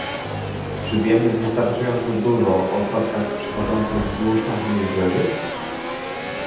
Czy wiemy wystarczająco dużo o statkach przechodzących wzdłuż naszych wybrzeży?